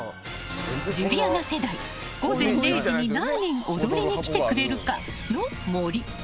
ジュリアナ世代、「午前０時」に何人踊りに来てくれるか？の森。